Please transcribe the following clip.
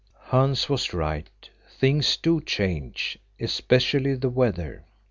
Hans was right, things do change, especially the weather.